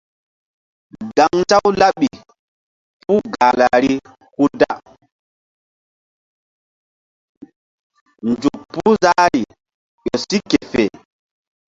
Gaŋnzaw laɓi puh Gahlari hu da nzuk puh zahri ƴo si ke fe.